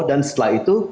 dan setelah itu